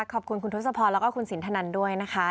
ขอบคุณคุณทุกสภและคุณสินทนันด้วยนะคะ